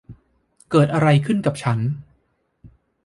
เกิดอะไรขึ้นกับฉัน